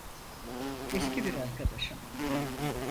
Eski bir arkadaşım.